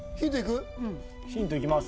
ヒントいきます